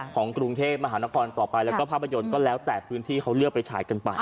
ของกรุงเทพมหานครต่อไปแล้วก็ภาพยนตร์ก็แล้วแต่พื้นที่เขาเลือกไปฉายกันไป